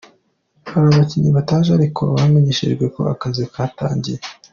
Hari abakinnyi bataje ariko bamenyeshejwe ko akazi katangiye.